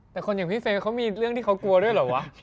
แต่คนอย่างพี่เฟย์เขามีเรื่องที่เขากลัวด้วยเหรอวะ